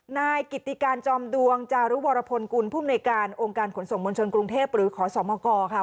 นายกิติการจอมดวงจารุวรพลกุลผู้มนุยการองค์การขนส่งมวลชนกรุงเทพหรือขอสมกค่ะ